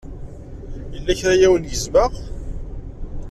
Yella kra ay awen-gezmeɣ?